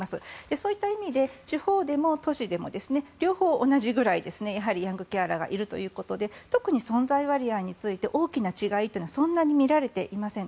そういった意味で地方でも都市でも両方同じぐらいヤングケアラーがいるということで特に存在割合について大きな違いというのはそんなに見られていません。